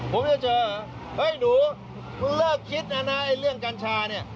ผมจะเจอเฮ้ยหนูเลิกคิดนะนะไอ้เรื่องกัญชาเนี่ย